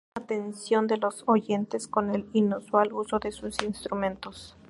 Captan la atención de los oyentes con el inusual uso de sus instrumentos.